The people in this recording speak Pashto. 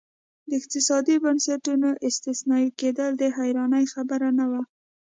د اقتصادي بنسټونو استثنایي کېدل د حیرانۍ خبره نه وه.